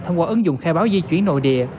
thông qua ứng dụng khai báo di chuyển nội địa